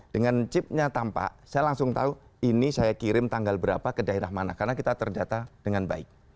dengan chipnya tampak saya langsung tahu ini saya kirim tanggal berapa ke daerah mana karena kita terdata dengan baik